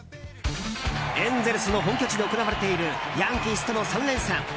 エンゼルスの本拠地で行われているヤンキースとの３連戦。